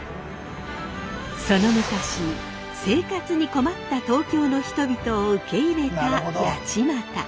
その昔生活に困った東京の人々を受け入れた八街。